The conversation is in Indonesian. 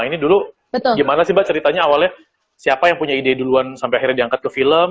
ini dulu gimana sih mbak ceritanya awalnya siapa yang punya ide duluan sampai akhirnya diangkat ke film